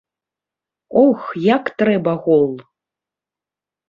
Ох, як трэба гол!